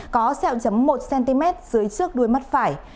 có xeo chấm một cm dưới trước đuôi mắt phải